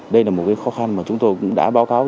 đây là một khó khăn mà chúng tôi cũng đã báo cáo